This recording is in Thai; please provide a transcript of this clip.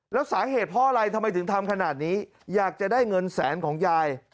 แล้วสาเหตุเพราะอะไรทำไมถึงทำขนาดนี้อยากจะได้เงินแสนของยาย